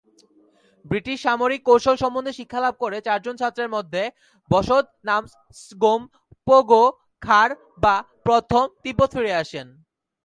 British সামরিক কৌশল সম্বন্ধে শিক্ষালাভ করে চারজন ছাত্রের মধ্যে ব্সোদ-নাম্স-স্গোম-পো-গো-খার-বা প্রথম তিব্বত ফিরে আসেন।